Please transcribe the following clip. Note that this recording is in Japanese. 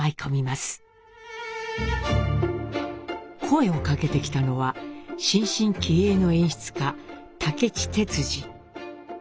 声をかけてきたのは新進気鋭の演出家武智鉄二。